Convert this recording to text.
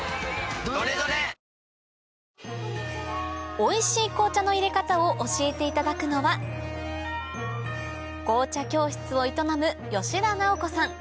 おいしい紅茶の入れ方を教えていただくのは紅茶教室を営む